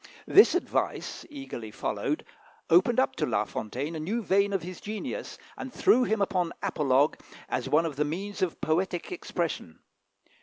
This advice, eagerly followed, opened up to La Fontaine a new vein of his genius, and threw him upon apologue as one of the means of poetic expression.